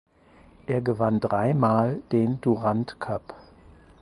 Er gewann dreimal den Durand Cup.